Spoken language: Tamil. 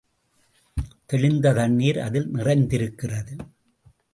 தெளிந்த தண்ணீர் அதில் நிறைந்திருக்கிறது.